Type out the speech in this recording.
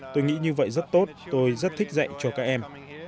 tôi nghĩ như vậy rất tốt tôi rất thích dạy cho các em